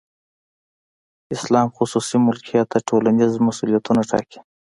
اسلام خصوصي ملکیت ته ټولنیز مسولیتونه ټاکي.